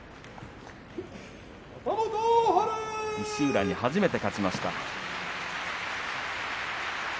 石浦に初めて勝ちました。